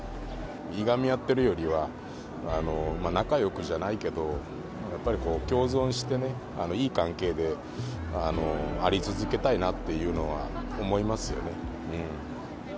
いがみ合ってるよりは、仲よくじゃないけど、やっぱり共存してね、いい関係であり続けたいなっていうのは思いますよね。